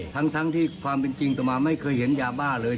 ทั้งที่ความเป็นจริงต่อมาไม่เคยเห็นยาบ้าเลย